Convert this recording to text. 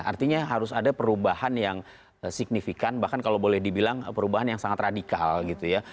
artinya harus ada perubahan yang signifikan bahkan kalau boleh dibilang perubahan yang sangat radikal gitu ya